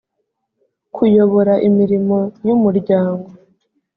kuyobora imirimo y umuryango